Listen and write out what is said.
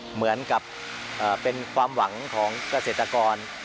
เหมือนกับเป็นความหวังของเกษตรกร